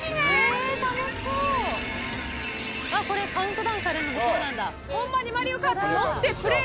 「これカウントダウンされるのもそうなんだ」